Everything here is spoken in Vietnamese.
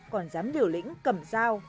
còn dám liều lĩnh cầm dao